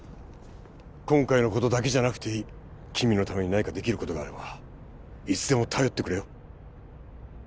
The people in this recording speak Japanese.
今回のことだけじゃなくていい君のために何かできることがあればいつでも頼ってくれよ